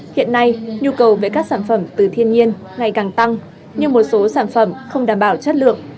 hiện nay nhu cầu về các sản phẩm từ thiên nhiên ngày càng tăng nhưng một số sản phẩm không đảm bảo chất lượng